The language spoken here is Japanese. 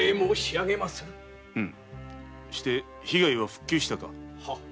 うむして被害は復旧したか？